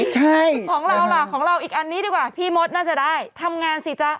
ใช่ของเราล่ะของเราอีกอันนี้ดีกว่าพี่มดน่าจะได้ทำงานสิจ๊ะ